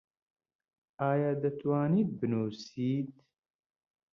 ئایا دەتوانیت بنووسیت؟